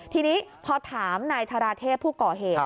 ทีนี้พอถามนายธาราเทพผู้ก่อเหตุ